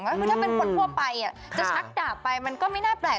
ก็คือถ้าเป็นคนทั่วไปจะชักดาบไปมันก็ไม่น่าแปลก